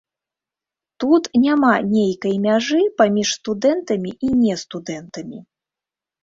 Тут няма нейкай мяжы паміж студэнтамі і нестудэнтамі.